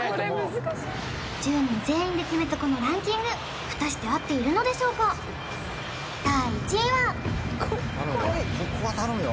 １０人全員で決めたこのランキング果たして合っているのでしょうか第１位はここは頼むよ